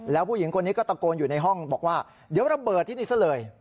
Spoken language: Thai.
แล้วผู้หญิงคนนี้ก็ตะโกนอยู่ในห้องบอกว่าเดี๋ยวระเบิดที่นี่ซะเลย